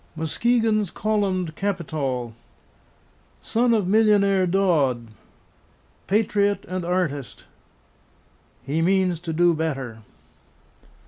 MUSKEGON'S COLUMNED CAPITOL. SON OF MILLIONAIRE DODD, PATRIOT AND ARTIST. "HE MEANS TO DO BETTER."